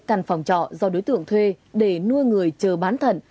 căn phòng trọ do đối tượng thuê để nuôi người chờ bán thận